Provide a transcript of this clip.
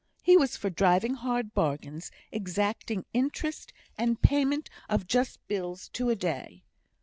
He was for driving hard bargains, exacting interest and payment of just bills to a day.